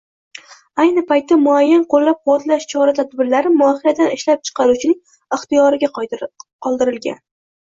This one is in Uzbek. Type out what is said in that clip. Ayni paytda muayyan qo‘llab-quvvatlash chora-tadbirlari mohiyatan ishlab chiqaruvchining ixtiyoriga qoldirilgan.